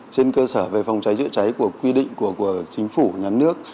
trên cơ sở về phòng cháy chữa cháy của quy định của chính phủ nhà nước